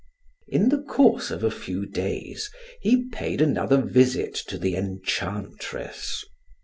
In the course of a few days he paid another visit to the enchantress.